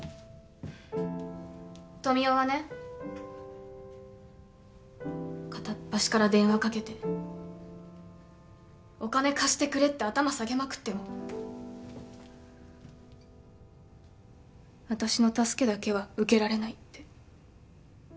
富生はね片っ端から電話かけてお金貸してくれって頭下げまくっても私の助けだけは受けられないって。